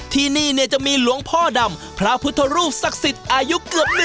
ที่นี่จะมีหลวงพ่อดำพระพุทธรูปศักดิ์สิทธิ์อายุเกือบ